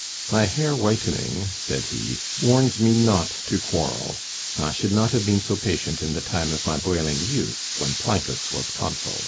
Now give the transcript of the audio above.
"My hair whitening," said he, "warns me not to quarrel. I should not have been so patient in the time of my boiling youth, when Plancus was consul."